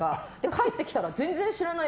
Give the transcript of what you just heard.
帰ってきたら全然知らない。